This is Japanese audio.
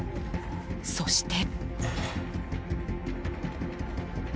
そして。